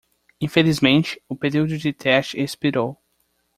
Infelizmente, o período de teste expirou.